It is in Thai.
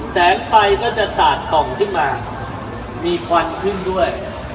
แสงไฟก็จะสาดส่องขึ้นมามีควันขึ้นด้วย